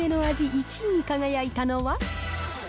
１位に輝いたのは。